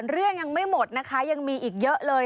เรื่องยังไม่หมดนะคะยังมีอีกเยอะเลย